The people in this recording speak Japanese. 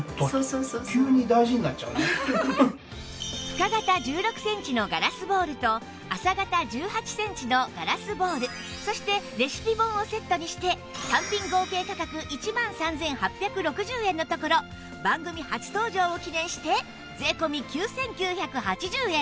深型１６センチのガラスボウルと浅型１８センチのガラスボウルそしてレシピ本をセットにして単品合計価格１万３８６０円のところ番組初登場を記念して税込９９８０円！